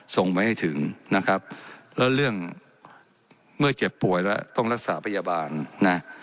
ส่งไปให้ถึงนะครับแล้วเรื่องเมื่อเจ็บป่วยแล้วต้องรักษาพยาบาลนะ